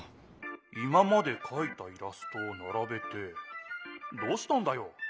今までかいたイラストをならべてどうしたんだよ？